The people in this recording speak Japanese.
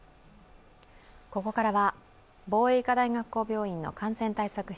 ここからは防衛医科大学校病院の感染対策